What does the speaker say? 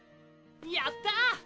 やったー！